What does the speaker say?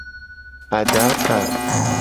Adaka.